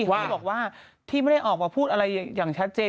ที่บอกว่าที่ไม่ได้ออกมาพูดอะไรอย่างชัดเจน